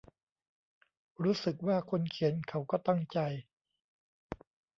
รู้สึกว่าคนเขียนเขาก็ตั้งใจ